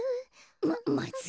ままずい。